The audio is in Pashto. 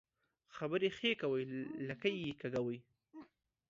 خبري ښې کوې ، لکۍ يې کږۍ کوې.